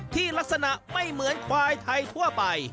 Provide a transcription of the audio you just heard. ที่ลักษณะไม่เหมือนควายไทยทั่วไป